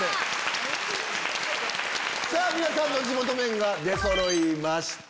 皆さんの地元麺が出そろいました。